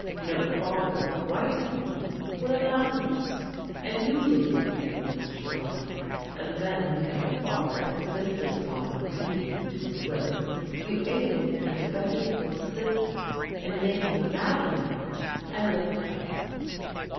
No father with right feeling would allow it. And you did these things. Miss Trelawney, and then because your father insisted upon obedience to his will, you aided and abetted your sister in making a mad mar riage, and left home."